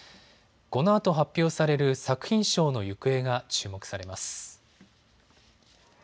このあと発表される作品賞の行方が注目されます。